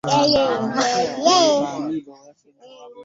Wabula kityo bwategendereza empuutu ejja kumubuuza watuula mu nsi muno.